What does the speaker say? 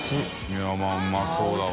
いやまぁうまそうだわ。